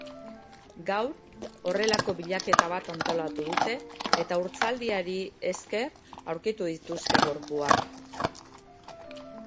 Gaur horrelako bilaketa bat antolatu dute eta urtzaldiari esker aurkitu dituzte gorpuak.